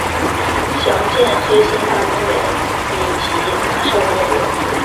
详见黑森大公国以及拿绍公国。